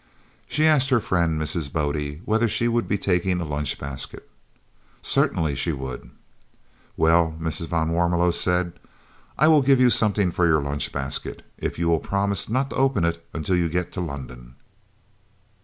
She asked her friend Mrs. Bodde whether she would be taking a lunch basket. Certainly she would. "Well," Mrs. van Warmelo said, "I will give you something for your lunch basket, if you will promise not to open it until you get to London."